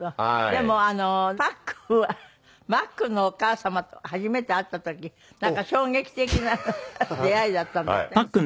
でもパックンはマックンのお母様と初めて会った時なんか衝撃的な出会いだったんだって？